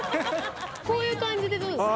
こういう感じでどうですか？